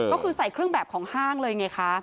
ก็คือใส่เครื่องแบบของห้างเลยไงคะ